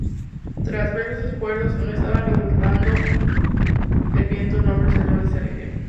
Tras ver que sus esfuerzos no daban resultado, el Viento del Norte se rindió.